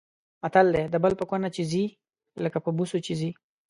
متل دی: د بل په کونه چې ځي لکه په بوسو چې ځي.